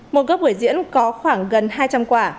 một gốc bữa diễn có khoảng gần hai trăm linh quả